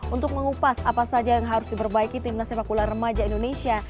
untuk mengupas apa saja yang harus diperbaiki timnas sepak bola remaja indonesia